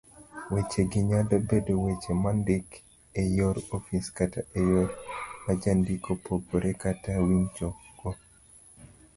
Wechegi nyalo bedo weche mondik eyor ofis kata eyo majandiko parogo kata winjogo